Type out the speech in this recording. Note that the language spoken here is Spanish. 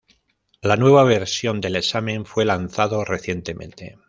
La nueva versión del examen fue lanzado recientemente.